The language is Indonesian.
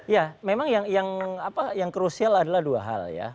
ya memang yang krusial adalah dua hal ya